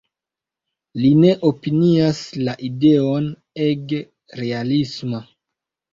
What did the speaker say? Li ne opinias la ideon ege realisma.